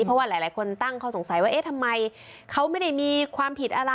เพราะว่าหลายคนตั้งข้อสงสัยว่าเอ๊ะทำไมเขาไม่ได้มีความผิดอะไร